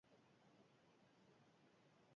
Asteazkenean termometroek gora egingo dute.